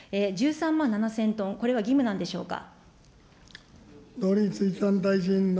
１３万７０００トン、これは義務なんでしょうか。